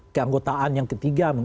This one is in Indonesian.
keanggotaan yang ketiga